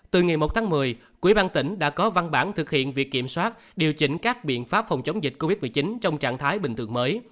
từ ngày một tháng một mươi quỹ ban tỉnh đã có văn bản thực hiện việc kiểm soát điều chỉnh các biện pháp phòng chống dịch covid một mươi chín trong trạng thái bình thường mới